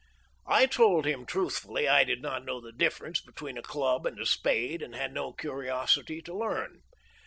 I told him truthfully I did not know the difference between a club and a spade and had no curiosity to learn.